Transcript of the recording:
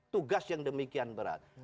tugas yang demikian berat